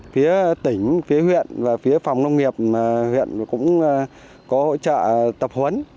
phía tỉnh phía huyện và phía phòng nông nghiệp huyện cũng có hỗ trợ tập huấn